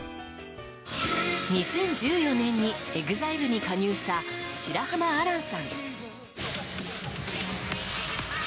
２０１４年にＥＸＩＬＥに加入した白濱亜嵐さん。